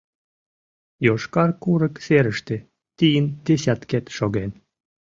— Йошкар курык серыште тыйын десяткет шоген.